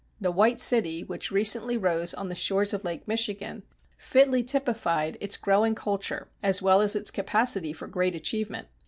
The White City which recently rose on the shores of Lake Michigan fitly typified its growing culture as well as its capacity for great achievement.